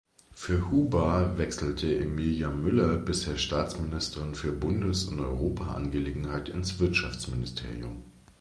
Für Huber wechselte Emilia Müller, bisher Staatsministerin für Bundes- und Europaangelegenheiten, ins Wirtschaftsministerium.